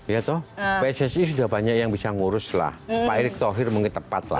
ya toh pssi sudah banyak yang bisa ngurus lah pak erick thohir mungkin tepat lah